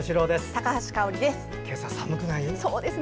高橋香央里です。